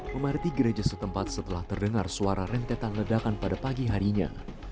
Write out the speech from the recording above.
memadati gereja setempat setelah terdengar suara rentetan ledakan pada pagi harinya